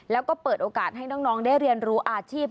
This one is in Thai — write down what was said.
แล้วก็เปิดโอกาสให้น้องได้เรียนรู้อาชีพ